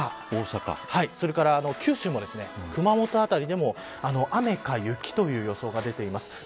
今日は大阪、それから九州の熊本辺りでも雨か雪という予想が出ています。